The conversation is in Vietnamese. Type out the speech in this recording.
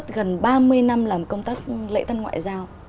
trong số gần ba mươi năm làm công tác lễ tân ngoại giao